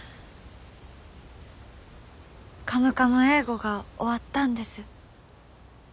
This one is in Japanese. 「カムカム英語」が終わったんです。